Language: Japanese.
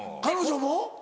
彼女も？